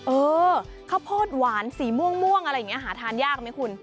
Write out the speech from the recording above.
เออข้าวโพดหวานสีม่วงอะไรอย่างนี้หาทานยากไหมคุณ